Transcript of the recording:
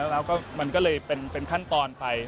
แล้วก็มันก็เลยเป็นขั้นตอนไป